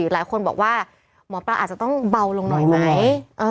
หลายคนบอกว่าหมอปลาอาจจะต้องเบาลงหน่อยไหม